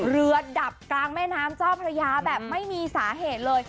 ระดับกลางแม่น้ำเจ้าพระยาแบบไม่มีสาเหตุเลย